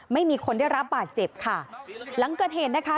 ไม่มีคนได้รับบาดเจ็บค่ะหลังเกิดเหตุนะคะ